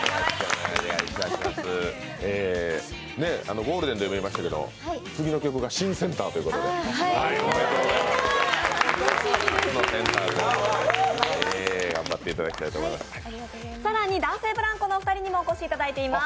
「ゴールデン」でも言いましたけど、次の曲が新センターということで頑張っていただきたいと思います。